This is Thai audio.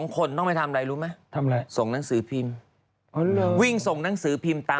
คนต้องไปทำอะไรรู้ไหมส่งหนังสือพิมพ์วิ่งส่งหนังสือพิมพ์ตาม